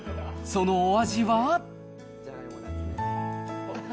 そのお味は？